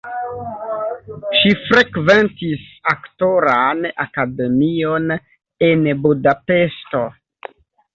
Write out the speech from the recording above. Ŝi frekventis aktoran akademion en Budapeŝto.